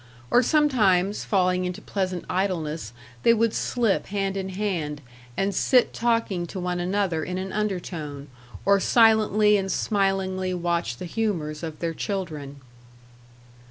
Or sometimes, falling into pleasant idleness, they would slip hand in hand, and sit talking to one another in an under tone, or silently and smilingly watch the humours of their children.